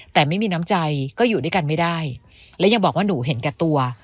แต่ไม่มีน้ำใจก็อยู่ด้วยกันไม่ได้และยังบอกว่าหนูเห็นแก่ตัว